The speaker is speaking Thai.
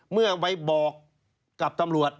เมื่อไปบอกกับตำรวจ